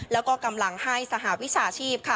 แล้วก็กำลังให้สหวิชาชีพค่ะ